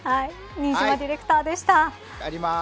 新島ディレクターでした。